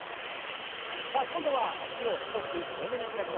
さあ今度は脚を少し広めに開きます。